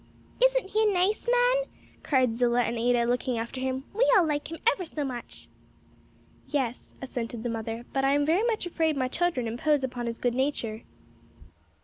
"Isn't he a nice man?" cried Zillah and Ada, looking after him, "we all like him ever so much." "Yes," assented the mother, "but I am very much afraid my children impose upon his good nature."